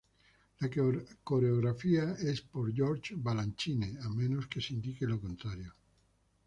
La coreografía es por George Balanchine a menos que se indique lo contrario.